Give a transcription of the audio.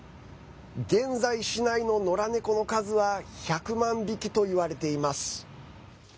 現在、市内ののら猫の数は１００万匹といわれています。